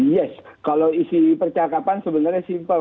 yes kalau isi percakapan sebenarnya simple